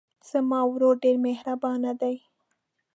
زما ورور ډېر مهربان دی.